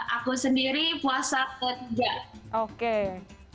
aku sendiri puasa ketiga